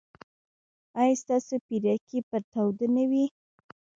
ایا ستاسو پیرکي به تاوده نه وي؟